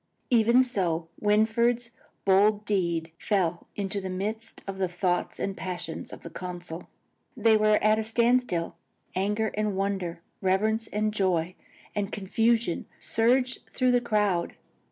Even so Winfried's bold deed fell into the midst of the thoughts and passions of the council. They were at a standstill. Anger and wonder, reverence and joy and confusion surged through the crowd.